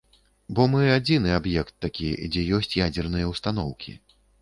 Бо мы адзіны аб'ект такі, дзе ёсць ядзерныя ўстаноўкі.